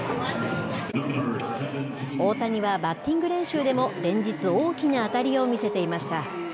大谷はバッティング練習でも連日、大きな当たりを見せていました。